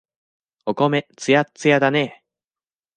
お米、つやっつやだね。